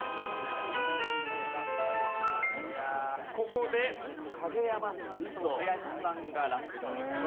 ここで影山さんと林さんが落第です。